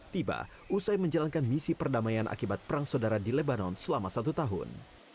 tiba usai menjalankan misi perdamaian akibat perang saudara di lebanon selama satu tahun